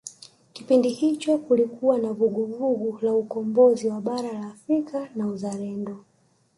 kipindi hicho kulikuwa na vuguvugu la ukombozi wa bara la afrika na uzalendo